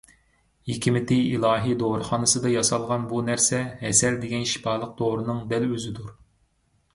ھېكمىتى ئىلاھىي دورىخانىسىدا ياسالغان بۇ نەرسە ھەسەل دېگەن شىپالىق دورىنىڭ دەل ئۆزىدۇر.